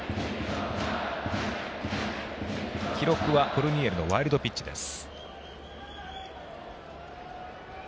記録はコルニエルのワイルドピッチです。